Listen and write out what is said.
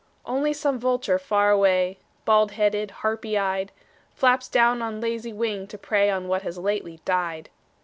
Only some vulture far away, Bald headed, harpy eyed, Flaps down on lazy wing to prey On what has lately died.